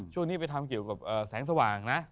ช่วงนี้ไปทำเกี่ยวกับแสงสว่างนะ